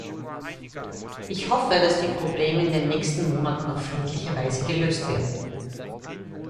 Ich hoffe, dass die Probleme in den nächsten Monaten auf friedliche Weise gelöst werden.